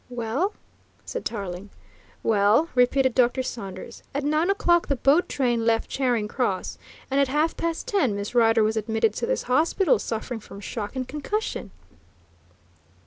"Well?" said Tarling. "Well," repeated Dr. Saunders, "at nine o'clock the boat train left Charing Cross, and at half past ten Miss Rider was admitted to this hospital suffering from shock and concussion."